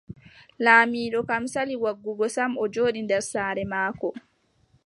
Laamiiɗo kam sali waggugo sam, o jooɗi nder saare maako.